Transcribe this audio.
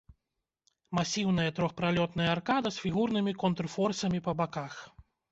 Масіўная трохпралётная аркада з фігурнымі контрфорсамі па баках.